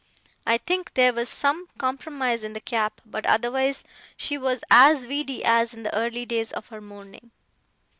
I think there was some compromise in the cap; but otherwise she was as weedy as in the early days of her mourning.